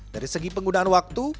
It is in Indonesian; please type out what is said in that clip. dari segi penggunaan waktu